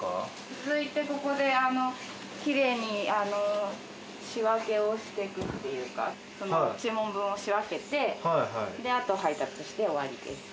続いてここできれいに仕分けをしていくっていうか注文分を仕分けてあと配達して終わりです。